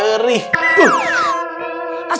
sakitnya tuh dimana